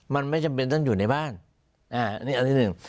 มันไม่จำเป็นต้องอยู่ในบ้านอันนี้อันที่หนึ่ง